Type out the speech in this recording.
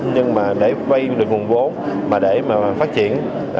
nhưng mà để vay được nguồn vốn mà để mà phát triển